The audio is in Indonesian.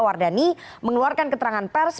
wardani mengeluarkan keterangan pers